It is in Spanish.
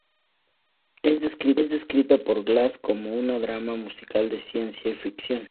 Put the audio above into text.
Es descrita por Glass como "un drama musical de ciencia ficción".